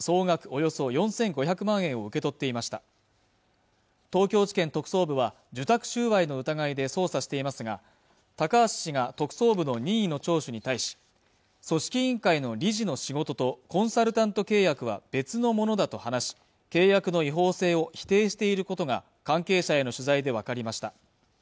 およそ４５００万円を受け取っていました東京地検特捜部は受託収賄の疑いで捜査していますが高橋が特捜部の任意の聴取に対し組織委員会の理事の仕事とコンサルタント契約は別のものだと話し契約の違法性を否定していることが関係者への取材で分かりました